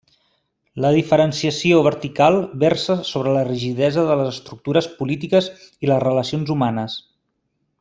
La diferenciació vertical versa sobre la rigidesa de les estructures polítiques i les relacions humanes.